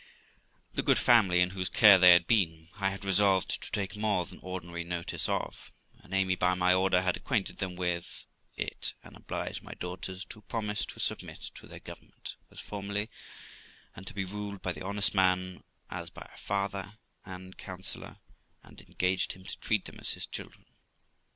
The good family in whose care they had been, I had resolved to take more than ordinary notice of; and Amy, by my order, had acquainted them with it, and obliged my daughters to promise to submit to their govern ment, as formerly, and to be ruled by the honest man as by a father and counsellor; and engaged him to treat them as his children.